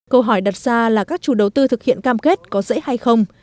câu hỏi đặt ra là các chủ đầu tư thực hiện cam kết có dễ hay không